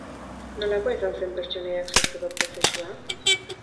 Nolakoa izan zen pertsonaiak sortzeko prozesua?